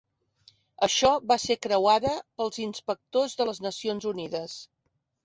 Això va ser creuada pels inspectors de les Nacions Unides.